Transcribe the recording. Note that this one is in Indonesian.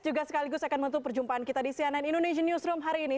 juga sekaligus akan menutup perjumpaan kita di cnn indonesian newsroom hari ini